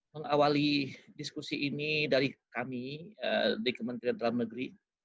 mengawali diskusi ini dari kami di kementerian dalam negeri